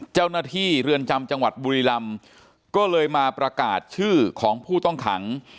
เจ้าหน้าที่เรือนจำจังหวัดบุรีลำก็เลยมาประกาศชื่อของผู้ต้องขัง